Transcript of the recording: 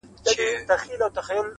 ستا آواز به زه تر عرشه رسومه-